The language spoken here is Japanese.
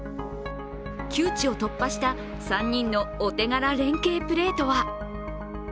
窮地を突破した３人のお手柄連係プレーとは。